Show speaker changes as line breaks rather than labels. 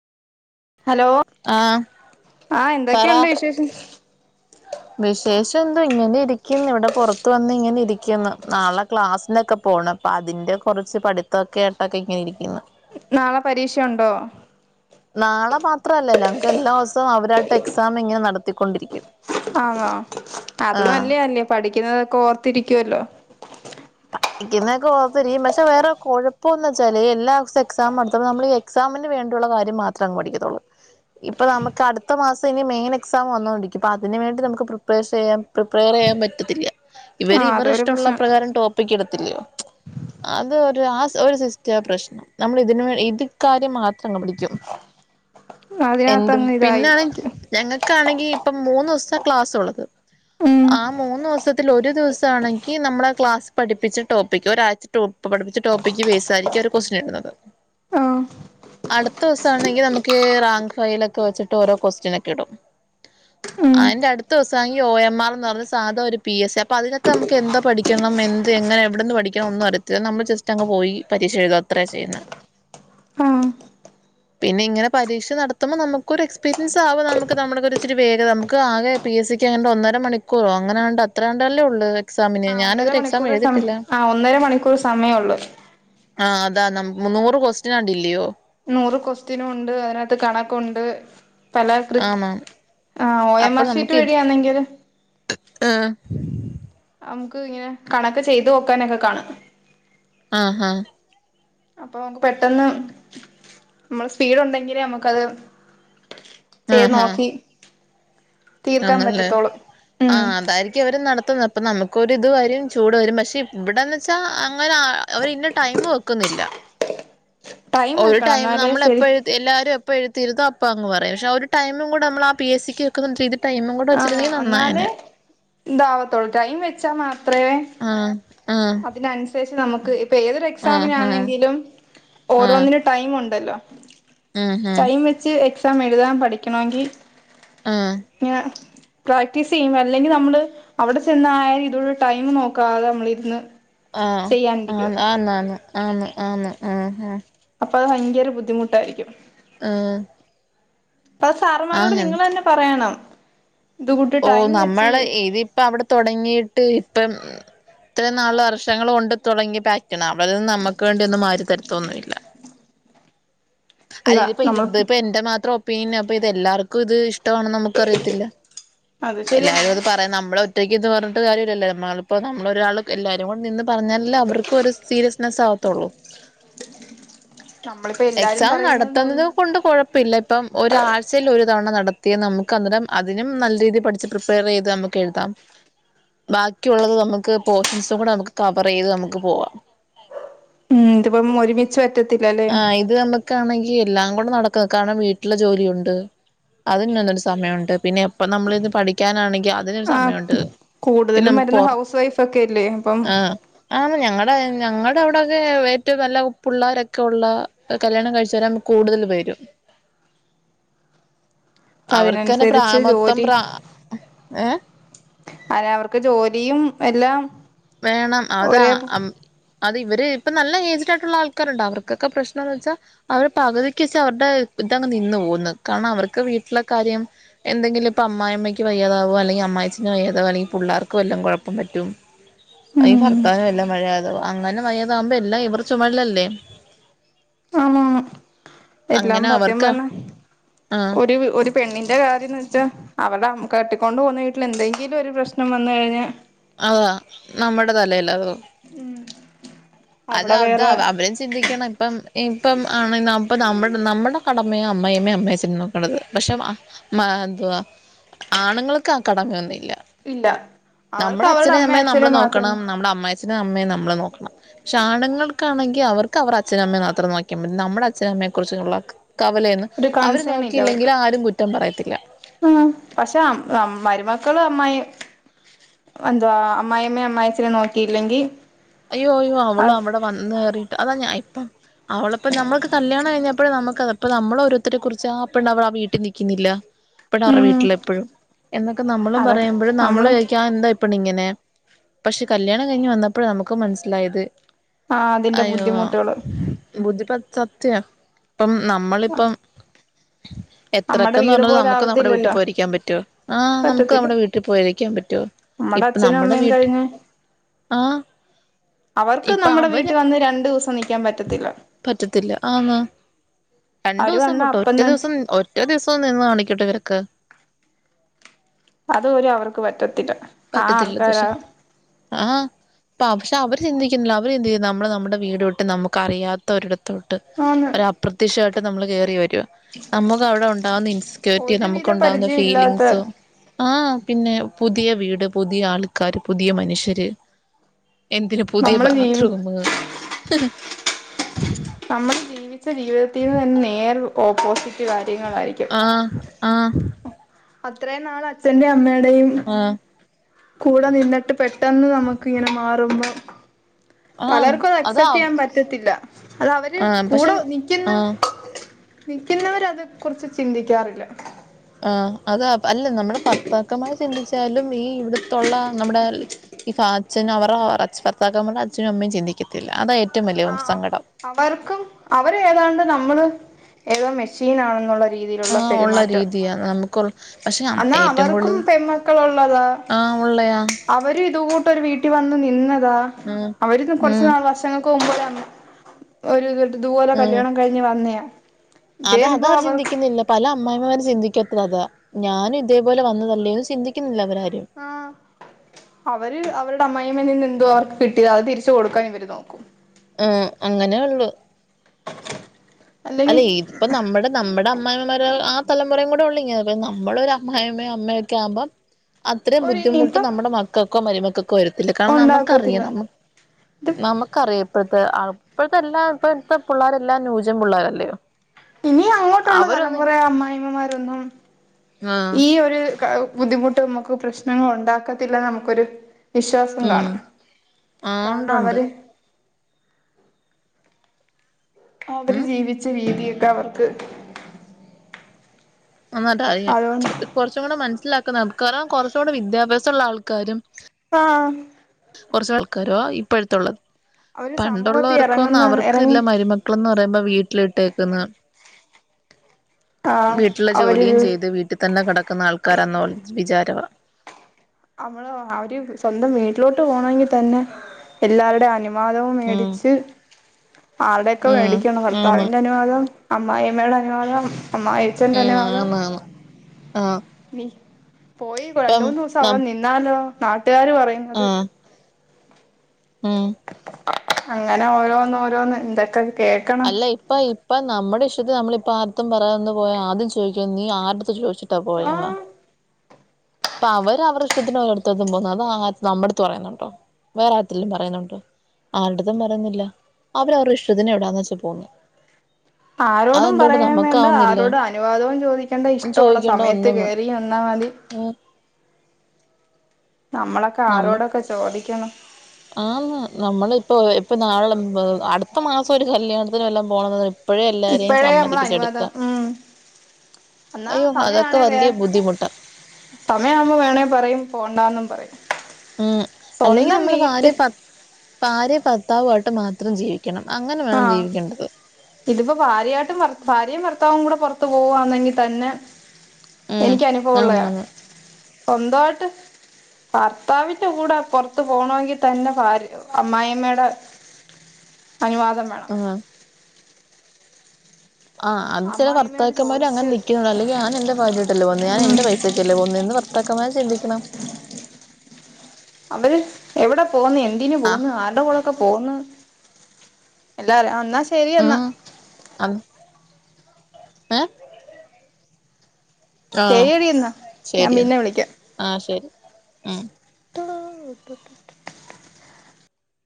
Hello
ആഹ്
ആഹ്
പറ
എന്തൊക്കെയ്ണ്ട് വിശേഷം
വിശേഷം എന്തുവാ ഇങ്ങനെ ഇരിക്ക്ന്ന് ഇവ്ടെ പൊറത്ത് വന്നിങ്ങനെ ഇരിക്ക്ന്ന് നാളെ ക്ലാസ്സിനൊക്കെ പോണം പ്പൊ അതിന്റെ കാെറച്ച് പഠിത്തവൊക്കെയായിട്ടൊക്കെ ഇങ്ങനെ ഇരിക്ക്ന്ന്
നാളെ പരീക്ഷ ഉണ്ടോ
നാളെ മാത്രമല്ല ഞങ്ങക്ക് എല്ലാ ദെവസവും അവരായിട്ട് എക്സാംമിങ്ങനെ നടത്തിക്കൊണ്ടിരിക്കും
ആണോഅത്
ആഹ്
നല്ലെയല്ലേ പഠിക്കുന്നതൊക്കെ ഓർത്തിരിക്കുവല്ലോ
പഠിക്കുന്നതൊക്കെ ഓർത്തിരിക്കും പക്ഷേ വേറെ കുഴപ്പമെന്ന് വെച്ചാല് എല്ലാ ദിവസവും എക്സാം നടത്തുമ്പോ നമ്മളീ എക്സാമിന് വേണ്ട [unintelligible] ള്ള കാര്യം മാത്ര അങ്ങ് പഠിക്കത്തുള്ളൂ ഇപ്പൊ നമ്ക്ക് അടുത്ത മാസം ഇനി മെയിൻ എക്സാം വന്നുകൊണ്ടിക്കും അപ്പൊ അതിന് വേണ്ടി നമുക്ക് പ്രിപ്പറേസെയ്യാം പ്രിപ്പേർ യ്യാൻ പറ്റത്തില്ല
ആ
ഇവര് ഇവർടെ
അതൊരു
ഇഷ്ടമുള്ള
പ്രശ്നം
പ്രകാരം ടോപ്പ് അത് ഒരു ആ ഒരു സിസ്റ്റാപ്രശ്നം നമ്മൾ ഇതിന് വേ ഇതിക്കാര്യ മാ ത്രങ്ങ് പഠിക്കും എന്ത്
അതിനകത്തങ്ങ്
പിന്നാണെ
ഇതായിരിക്കും
ഞങ്ങൾക്കാണെങ്കി ഇപ്പം മൂന്നൂസം ക്ലാസുള്ളത്
ഉം
ആ മൂന്നൂസത്തിലൊരു ദിവ്സവാണെങ്കി നമ്മടെ ക്ലാസ് പഠിപ്പിച്ച ടോപ്പിക് ഒരാഴ്ച ടോപ്പ് പഠിപ്പിച്ച ടോപ്പിക്ക് ബേസായിരിക്കവര് കൊസ്റ്റൃനിട്ന്നത്
ആ
അട്ത്തൂസാന്നെങ്കി നമുക്ക് റാങ്ക് ഫൈലൊക്കെ വെച്ചിട്ട് ഓരോ കൊസ്റ്റ്യനൊക്കെടും
ഉം
അയ്ന്റെ അട്ത്തൂസാണെങ്കി ഒഎംആർ എന്ന് പറഞ്ഞ സാധാ ഒരു പിഎസ്സി അപ്പൊ അതിനകത്ത് നമുക്ക് എന്തോ പഠിക്കണം എ [unintelligible] എങ്ങനെ എവിടന്ന് പഠിക്കണം ഒന്നും അറിയത്തില്ല നമ്മൾ ജസ്റ്റ് അങ്ങ് പോയി പരീക്ഷയെഴുതുവാ അത്രയാ ചെയ്യുന്നെ
ഉം
പിന്നെ ഇങ്ങനെ പരീക്ഷ നടത്തുമ്പോ നമുക്കൊരു എക്സ്പീരിയൻസാവും നമുക്ക് നമ്മുടെ ഒരിച്ചിരി വേഗത നമുക്ക് ആകെ എസ് സിക്ക് അങ്ങന ഒന്നര മണിക്കൂറോ അങ്ങനെയാണ്ട് അത്രാണ്ടല്ലേ ഉള്ളൂ എക്സാമിന് ഞാൻ
അരമണിക്കൂറേ സമയ ആ ഒന്നര മണിക്കൂർ സമയമുള്ളൂ.
ആഹ് അതാ ന നൂറ് ക്വസ്റ്റൃനങ്ങാണ്ടില്ലയോ?
നൂറ് ക്വസ്റ്റിനും ഉണ്ട്. അതിനകത്ത് കണക്കുണ്ട്, പല
ആണോ
ആഹ് ഒ എം
അപ്പൊ
ആർഷീറ്റ്
നമുക്ക് ഇത്
വഴിയാന്നെങ്കിൽ
ആഹ്
നമുക്ക് ഇങ്ങനെ കണക്ക് ചെയ്തു നോക്കാനൊക്കെ കാണും.
ആഹ് ആഹ്
അപ്പൊ നമുക്ക് പെട്ടെന്ന് നമ്മള് സ്പീഡ് ഉണ്ടെങ്കിലേ നമുക്കത്
ആഹ്
ചെയ്ത്
ആഹ്
നോക്കി തീർക്കാൻ
ആന്നല്ലേ
പറ്റത്തോളൂ ഉം
ആഹ് അതായിരിക്കും അവര് നടത്ത് അപ്പ നമുക്കൊരിത് വരും ചൂട് വരും പക്ഷെ ഇവിടെന്ന് വച്ചാൽ അങ്ങനെ, അവര് ഇന്ന ടൈം വെക്കുന്നില്ല
[inaudible] ടൈം
ഒരു
വെക്കണം
ടൈമ്
എന്നാലേ
നമ്മള്
ശരി
എപ്പഴ എല്ലാരും [unintelligible] പ്പോ അങ്ങ് പറയും പക്ഷെ ഒരു ടൈും കൂടെ നമ്മളാ പി എസ് സിക്ക് വെക്കുന്ന ടൈമും കൂടെ
ആഹ്
വെച്ചിരുന്നെങ്കിൽ
എന്നാലേ
നന്നായേനേ.
ഇതാവത്തോളൂ ടൈം വെച്ചാ മാത്രമേ
ആഹ് ആഹ്
അതിനനുസരിച്ച് നമുക്ക് ഇപ്പൊ ഏതൊരു
ആഹ്
എക്സാമിനാന്നെങ്കിലും
ആഹ് ആഹ്
ഓരോന്നിനും ടൈം ഉണ്ട്. ണ്ടല്ലോ
ഉം
ടൈം വെച്ച് എക്സാം എഴുതാൻ പഠിക്കണോങ്കി
ഉം ആഹ്
ഞാൻ പ്രാക്ടീസ് ചെയ്യുമ്പോ അല്ലെങ്കിൽ നമ്മള് അവിടെ ചെന്നായാാലും ഇതിനുള്ള ടൈം നോക്കാതെ നമ്മളിരുന്ന്
ആഹ്
ചെയ്യാനിരിക്കും
ആ ആന്ന് ആന്ന് ആന്ന് ആന്ന് ആഹ് ആഹ്
അപ്പൊത് ങ്കര ബുദ്ധിമുട്ടായിരിക്കും.
ആഹ്
പ്പം ആ സാറമ്മാരോട്
ആഹ് എന്ത്
നിങ്ങളന്നെ പറയണം. ഇത് കൂട്ട്
ഓ
ടൈം വെച്ച്
നമ്മള് ഇതിപ്പം അവിടെ തൊടങ്ങിയിട്ട് ഇപ്പം ഇത്ര നാള് വർഷങ്ങൾ കൊണ്ട് തൊടങ്ങിയിട്ട് അവിര് നമ്മക്ക് വേണ്ടി ഒന്നും മാറ്റിത്തരത്തൊന്നുല്ല
അല്ല
[unintelligible]
നമ്മൾ
ഇത്പ്പ എന്റെ മാത്രം ഒപ്പീനിയൻ അപ്പൊ ഇത് എല്ലാർക്കും ഇത് ഇഷ്ടമാണെന്ന് നമുക്ക് അറിയത്തില്ല
അത് ശരിയ
എല്ലാരും അത് പറയ നമ്മളൊ [unintelligible] പറഞ്ഞിട്ട് കാര്യല്ലല്ലോ നമ്മളൊരാള് എല്ലാവരുംടെ നിന്ന് പറഞ്ഞാലാൽ അവർക്കും ഒരു സീരിയസ്നസ് ആവ ത്തുള്ളൂ ത്തോള്ളൂ
[inaudible] നമ്മളിപ്പോ എല്ലാരും
എക്സാം
പറയുന്നത്
നടത്തുന്നത് കൊണ്ട് കൊഴപ്പില്ല ഇപ്പം ഒരാഴ്ചയിൽ ഒര് തവണ നടത്തിയ നമുക്ക് അന്നേരം അതിനും നല്ല രീതിയിൽ പഠിച്ചച്ച് പ്രിപ്പയർ ചെയ്ത് നമുക്ക് എഴുതാം ബാക്കിയുള്ളത് നമുക്ക് പോർഷൻസും കൂടെ നമുക്ക് കവറെയ്ത് നമുക്ക് പോവാാം
ഉം ഇതിപ്പം ഒരുമിച്ച് പറ്റത്തില്ലല്ലേ
ആ ഇത് നമ്മക്കാണെങ്കി എല്ലാം കൂടെ നടക്കും കാരണം വീട്ടിലെ ജോലിയുണ്ട് അതിന്നൊരു സമയമുണ്ട് പിന്നെ എപ്പം നമ്മളിന്ന് പഠിക്കാനാണെങ്കിൽ അതിനരു
ആ
സമയുണ്ട് പിന്നെ
കൂടുതലും
നമ്മുക്ക്
വരുന്ന
പോർ
ഹൗസ് വൈഫ് ഒക്കെ അല്ലേ അപ്പം
ആ ആ ഞങ്ങടെ ഞങ്ങളടെ അവിടെയൊക്കെ ഏറ്റവും നല്ല പിള്ളോരൊക്കെ ഉള്ള കല്യാണം കഴിച്ചാല കൂടുതൽ പേരും
അപ്പ
അവർക്ക്ന്നെ
അതിനനുസരിച്ച്
പ്രാമൊത്തം
ജോലി
പ്ര ഏ
അതെ അവർക്ക് ജോലിയും എല്ലാം
വേണം അതാ
ഒരേ
അത് വര് ഇപ്പൊ നല്ല ഏജ്ടൊക്കെള്ള ആൾക്കാരുണ്ട് അവർക്കൊക്കെ പ്രശ്നംന്ന് വെച്ചാൽ അവര് പകുതിക്ക് വെച്ച് അവരുടെ ഇതങ്ങ് നിന്ന് പോകുന്നു കാണം അവർക്ക് വീട്ടില കാര്യം എന്തെങ്കിലും ഇപ്പൊ അമായി അമ്മയ്ക്ക് വയ്യാതാവോ അല്ലെങ്കിൽ അമ്മായിച്ച ന് ഏതാലും ഈ പുള്ളേർക്കും എല്ലാം കുഴപ്പം പറ്റും ഈ
ഉം
ഭർത്താവനും വല്ല കഴിയാത അങ്ങനെ വയ്യാതആകുമ്പോ എല്ലാ ഇവർ ചുമലില്ലേ
ആണോ എല്ലാം
അങ്ങനെ
പാത്യം
അവർക്കാ
പറഞ്ഞ
ആഹ്
ഒരു ഒരു പെണ്ണിന്റെ കാര്യം എന്ന് വെച്ചാൽ അവള കെട്ടിക്കൊണ്ട് പോകുന്ന വീട്ടിൽ എന്തെങ്കിലും ഒരു പ്രശ്നം വന്നു കഴിഞ്ഞൽ
അതാ നമ്മട തലയിലാകും അത്
അവിടെ വേറെ
അത അവരും ചിന്തിക്കണം ഇപ്പം ഇപ്പം ആണ് ഇപ്പൾ നമ്മുടെ നമ്മുടെ കടമയ അമ്മയമ്മേ അമ്മയെച്ചിരി നോക്കണ്ടത് പക്ഷെ [unintelligible] അദോ ആണുങ്ങൾക്ക് ആ കടമയൊന്നും ഇല്ല
ഇല്ല അവർക്ക്
നമ്മുടെ
അവരുടെ
അച്ഛന
അമ്മയും
അമ്മേയും നമ്മള്
അച്ഛനും മാത്രം
നോക്കണം നമ്മുടെ അമായച്ഛനും അമ്മയും നമ്മള് നോക്കണം ആണ്ങ്ങൾക്കാണങ്കിൽ അവർക്ക് അവർ അച്ഛനമ്മെ മാത്രം നോക്കിയാ മതി നമ്മുടെ അച്ചനും അമ്മയും കുറച്ച് ഉള്ള ക്ക് കവലയന്ന്
ഒരു
അവര്
കൺസേൺ
നോക്കിയില്ലെങ്കിൽ ആരും കുറ്റം പറയത്തില്ല
ഉം പക്ഷെ മരുമ മക്കളും അമ്മായി എന്തോ അമ്മായിമ്മേ അമ്മായിച്ച നോക്കിയില്ലെങ്കിൽ
അയ്യോ അയ്യോ അവള് അവിടെ വന്ന്റിയിട്ട് അതാ ഞാൻ ഇപ്പം അവളപ്പ നമ്മൾക്ക് കല്യാണം കഴിഞ്ഞപ്പഴ നമുക്കപ്പ നമ്മള ഓരോരുത്തരെ കുറിച്ച് ആ പെണ്ണ് അവള ആ വീട്ടിൽ നിൽക്കിന്നില്ല [unintelligible] റ
ഉം
വീട്ടില എപ്പഴും എന്നൊക്കെ നമ്മളും
അതെ
പറയുമ്പോഴും നമ്മൾ
നമ്മള്
കഴിക്കാൻ എന്താ ഇപ്പ ഇങ്ങനെ പക്ഷെ കല്യാണം കഴിഞ്ഞ് വന്നപ്പോഴ നമുക്ക് മനസിലായത്
ആ അതിന്റെ
അയ്യോ
ബുദ്ധിമുട്ടുകള്
ബുദ്ധിപ സത്യ ഇപ്പം നമ്മളിപ്പം
നമ്മടെ
എത്രക്കന്ന്
വീട്
പറഞ്ഞാല
പോലെ
നമുക്ക് നമ്മുടെ വീട്ടിൽ
ആവത്തില്ലല്ലോ
പോയിരിക്കാൻ പറ്റോ ആ് നമുക്ക്
പറ്റത്തില്ല
നമ്മുടെ വീട്ടിൽ പോയിരിക്കാൻ പറ്റോ ഇപ്പ
അച്ഛനും
നമ്മടെ
അമ്മയും
വീട്ടി
കഴിഞ്ഞ്
ആ
അവർക്ക് നമ്മടെ വീട്ടിൽ വന്ന് രണ്ടു ദിവസം നിക്കാൻ പറ്റത്തില്ല
പറ്റത്തില്ല ആന്ന് രണ്ടു
അവര്
ദിവസം
വന്ന
പട്ടോ
അപ്പം
ഒറ്റ
തന്നെ
ദിവസം ഒറ്റ ദിവസം നിന്ന് കാണിക്കട്ടെ ഇവർക്ക്
അത ഒരു അവർക്ക് പറ്റത്തില്ല ആ ആൾക്കാരാ
ആ അ പക്ഷെ അവര് ചിന്തിക്കുന്നില്ല അവര് ചിന്തിക്കുന്ന നമ്മള് നമ്മുടെ വീട് വിട്ട് നമുക്ക്റിയാത്ത ഒരിട തോട്ട്
ആന്ന്
ഒ അപ്രത്യക്ഷയമായിട്ട് നമ്മള് കയറി വരും നമുക്ക് അവിടെ ഉണ്ടാവുന്ന ഇൻസെക്യൂരിറ്റി
ഒരുവിധ
നമുക്കുണ്ടാവുന്ന
പരിചയം ഇല്ലാത്ത
ഫീലിങ്സും ആ പിന്നെ പുതിയ വീട് പുതിയ ആൾക്കാര് പുതിയ മനുഷ്യര് എന്തിന് പുതിയ
നമ്മള് ജീവി
ബാത്റൂം
നമ്മൾ ജീവിച്ച ജീവിതത്തിൽന്ന് തന്നെ നേർ ഓപ്പോസിറ്റ് കാര്യങ്ങളായിരിക്കും
ആഹ് ആഹ്
അത്രയും നാൾ അച്ഛന്റെയും
ആഹ്
കൂടെ നിന്നിട്ട് പെട്ടെന്ന് നമുക്ക് ഇങ്ങനെ മാറുമ്പോ
ആഹ്
പലർക്കും അത്
അതാ
അക്സെപ്റ്റ് ചെയ്യാൻ പറ്റത്തില്ല അത് അവര്
ആഹ് പക്ഷെ
കൂടെ നിക്കുന്ന
ആഹ്
നിക്കുന്നവർ അത് കുറിച്ച് ചിന്തിക്കാറില്ല
ആ അത് അല്ല നമ്മുടെ ഭർത്താക്കന്മാർ ചിന്തിച്ചാലും ഈ ഇവിടുത്തുള്ള നമ്മുടെ ഈ അച്ഛൻ അവരുടെ ഭർത്താക്കൻമാരുടെ അച്ഛനും അമ്മയും ചിന്തിക്കത്തില്ല അത ഏറ്റ
ആഹ് അവർക്കും അവര് ഏതാണ്ട് നമ്മള് ഏതോ മെഷീൻ ആണെന്നുള്ള രീതിയിലുള്ള
ആഹ് ഉള്ള
പെരുമാറ്റം
രീതിയാ നമുക്കുള്ള പക്ഷെ
അന്നാ
ഏറ്റവും
അവർക്കും
കൂടുതൽ
പെൺമക്കള് ഉള്ളതാ
ആഹ് ഉള്ളയാ
അവര് ഇത് കൂട്ട് ഒരു വീട്ടിൽ വന്നു നിന്നതാ
ഉം
അവര് കുറച്ച്
ഉം
നാൾ വർഷങ്ങൾ ക്ക് മുമ്പ് ഒരു ഇത് പോലെ കല്യാണം കഴിഞ്ഞ് വന്നെയാ
അത് അത് അവർ ചിന്തിക്കുന്നില്ല പല അമ്മായിയമ്മമാരും ചിന്തിക്ക അത അതാ ഞാനും ഇതേപോലെ വന്നതല്ലേന്ന് ചിന്തിക്കുന്നില്ല അവരാരും
ആഹ് അവര് അവരുടെ അമ്മായിയമ്മേൽ നിന്ന് എന്തോ അവർക്ക് കിട്ടിയത് അത് തിരിച്ച് കൊടുക്കാൻ ഇവര് നോക്കും
ആഹ് അങ്ങനെ ഉള്ളു
അല്ലെങ്കിൽ
അല്ലെ ഇപ്പ നമ്മടെ നമ്മുടെ അമ്മായിയമ്മമാരെ ആഹ് തലമുറയും കൂടെ ഉള്ളു ഇങ്ങനെ അപ്പ നമ്മള് ഒരു അമ്മായിയമ്മയും അമ്മയും ഒക്കെ ആവുമ്പം അത്രയും
ഒരു
ബുദ്ധിമുട്ട്
ഇനിയിപ്പം
നമ്മുടെ മക്കൾക്കോ മരുമക്കൾക്കോ വരത്തില്ല കാരണം നമുക്കറിയാം
ഉണ്ടാക്കത്തില്ല
നമുക്ക്
ഇത്
നമുക്കറിയാം ഇപ്പോഴത്തെ അപ്പോഴത്തെ ഇപ്പോഴത്തെ എല്ലാം ഇപ്പോഴത്തെ പിള്ളേരെല്ലാം ന്യൂജൻ പിള്ളേരല്ലിയോ
ഇനി അങ്ങോട്ടുള്ള തലമുറ അമ്മായിമ്മമാരൊന്നും
ആഹ്
ഈ ഒരു ബുദ്ധിമുട്ട് നമുക്ക് പ്രശ്നങ്ങൾ ഉണ്ടാക്കത്തില്ല നമുക്കൊരു വിശ്വാസം
ഉം
കാണാം
ആഹ്
കാരണം
ഉണ്ടുണ്ട്
അവര് അവര്
ഉം
ജീവിച്ച രീതിയൊക്കെ അവർക്ക്
നന്നായിട്ട് അറിയും
അതുകൊണ്ട്
കുറച്ചു കൂടെ മനസ്സിലാക്കുന്ന ആൾക്കാരും കുറച്ചും കൂടെ വിദ്യാഭ്യാസം ഉള്ള ആൾക്കാരും
ആഹ്
കുറച്ച് ആൾക്കാരുമാ ഇപ്പഴത്തുള്ളത്
അവര് സമൂഹത്തി
പണ്ടുള്ളവർക്കൊന്നും
എറങ്ങുന്ന
അവർക്ക് ഇല്ല
എറങ്ങി
മരുമക്കൾന്ന് പറയുമ്പോ വീട്ടിലിട്ടേക്കുന്ന
ആഹ്
വീട്ടിലെ ജോലിയും
അവരൊരു
ചെയ്ത് വീട്ടിൽ തന്നെ കിടക്കുന്ന ആൾക്കാരാന്നോള്ള വിചാര
അവള് അവര് സ്വന്തം വീട്ടിലോട്ട് പോണമെങ്കിൽ തന്നെ എല്ലാരുടെയും അനു അനുവാദവും
ഉം
മേടിച്ച് ആര്ടൊക്കെ
ഉം
മേടിക്കണം
ആന്ന്
ഭർത്താവിന്റെ അനുവാദം അമ്മായിയമ്മയുടെ അനുവാദം അമ്മയിയച്ചൻ്റെ
ഉം
അനുവാദം
ആന്ന് ആന്ന് ആഹ്
പോയി രണ്ട്
ഇപ്പം
മൂന്ന് ദിവസം അവിടെ
നം
നിന്നാല്ലോ നാട്ടുകാര് പറയുന്നത്.
മ്മ്
അങ്ങനെ ഓരോന്ന് ഓരോന്ന് എന്തൊക്കെ കേക്കണം
അല്ല ഇപ്പ ഇപ്പ നമ്മുടെ ഇഷ്ടത്തിന് നമ്മളിപ്പ ആരുടെ അടുത്തും പറയാതെ പോയാ ആദ്യം ചോദിക്കും നീ ആരുടെ അടുത്ത് ചോദിച്ച് ച്ചിട്ടാ പോയെന്ന്
ആഹ്
അവര് അവരുടെ [unintelligible] നമ്മടുത്ത് പറയുന്നുണ്ടോ വേറെ ആരുടെത്തിലും പറയുന്നുണ്ടോ ആരുടത്തും പറയുന്നില്ല അവര് അവരുടെ ഇഷ്ടത്തിന് എവിടാന്ന് വെച്ചാ പോന്നു
ആരോടും പറയാൻ വേണ്ട ആരോടും പറയാ വേണ്ട അനുവാദവും ചോദിക്കേണ്ട ഇഷ്ടമുള്ള സമയത്ത് കയറി വന്നാ
ഉ
നമ്മളൊക്കെ ആരോടൊക്കെ ചോദിക്കണം
ആഹ് നമ്മള് ഇപ്പോ ഇപ്പൊ നാളെ അടുത്ത മാസം ഒരു കല്യാണത്തിന് വല്ലോം പോണം
ഇപ്പോഴേ നമ്മളനുവാദം ഉം എന്നാ
അയ്യോ അതൊക്കെ
സമയണേ വേ
വലിയ ബുദ്ധിമുട്ടാ
സമയാവുമ്പോ വേണേ പറയും പോ ണ്ടാന്നും പറയും
ഉ അല്ലെങ്കിൽ
സ്വന്തം
നമ്മള്
വീട്ട്
ഭാര്യ ഭർ ഭാര്യ ഭർത്താവു ആയിട്ട് മാത്രം ജീവിക്
ആ ഇതിപ്പോ ഭാര്യയായിട്ടും ഭർ [unintelligible] ഭാര്യയും ഭർ ത്താവും കൂടെ പുറത്തു പോവുന്നെങ്കി തന്നെ
ഉം
എനിക്ക് അനുഭവള്ളയാ
ആന്നാന്ന്
സ്വന്തമായിട്ട് ഭർത്താവിന്റെ കൂടെ പുറത്തു പോണമെങ്കി തന്നെ ഭാര്യ അമ്മായിമ്മടെ അനുവാദം വേണം
ആഹ് ആ അത് ചില
അമ്മായിമ്മയോട്
ഭർത്താക്കന്മാര് അങ്ങനെ
ചോദിച്ച്
നിക്കും അല്ലെങ്കി ഞാൻന്റെ ഭാര്യേട്ടല്ലേ പോന്നേ
ഉം
ഞാനെന്റെ പൈസക്കല്ലേ പോന്നെന്ന് ഭർത്താക്കമ്മാര് ചിന്തിക്കണം
അവ എവിടെ പോന്ന് എന്തിന്
ആഹ്
പോന്നു ആരുടെ കൂടൊക്കെ പോന്ന് എല്ലാരും എന്നാ ശരിയെന്നാ
ആ ആ
ശരിയടി എന്നാ ഞാൻ
ശരിന്നാ
പിന്നെ വിളിക്കാം
ആ ശരി ഉം
[unintelligible]